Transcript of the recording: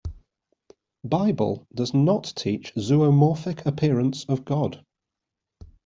Bible does not teach zoomorphic appearance of God.